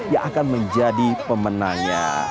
yang akan menjadi pemenangnya